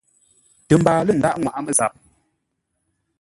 Tə mbaa lə ndághʼ nŋwaʼá mə́zap.